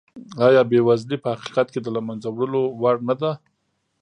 ایا بېوزلي په حقیقت کې د له منځه وړلو وړ نه ده؟